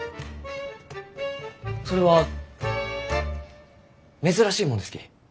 それは珍しいもんですき。